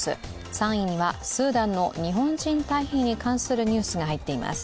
３位にはスーダンの日本人退避に関するニュースが入っています。